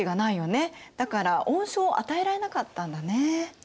だから恩賞を与えられなかったんだね。